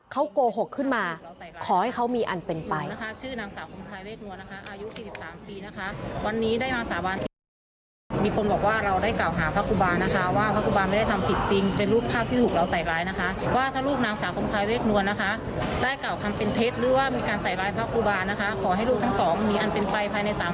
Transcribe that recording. เขาโกหกขึ้นมาขอให้เขามีอันเป็นไปนะคะ